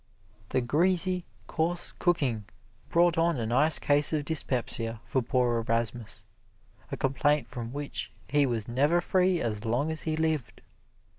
The greasy, coarse cooking brought on a nice case of dyspepsia for poor Erasmus a complaint from which he was never free as long as he lived.